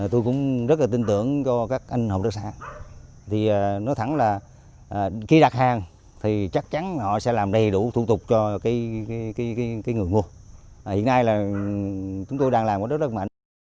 tôi cũng rất là tin tưởng cho các anh hợp tác xã thì nói thẳng là khi đặt hàng thì chắc chắn họ sẽ làm đầy đủ thủ tục cho người mua hiện nay là chúng tôi đang làm rất rất mạnh